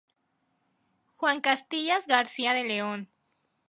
Juan Casillas García de León.